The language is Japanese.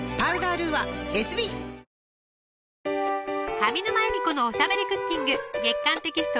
上沼恵美子のおしゃべりクッキング月刊テキスト